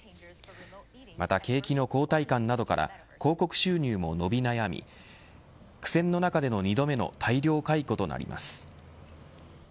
また景気の後退感などから広告収入も伸び悩み苦戦の中での２度目の大量解雇となります。